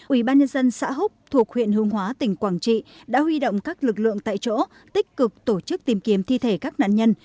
ubnd xã húc thuộc huyện hướng hóa tỉnh quảng trị đã huy động các lực lượng tại chỗ tích cực tổ chức tìm kiếm thi thể các nạn nhân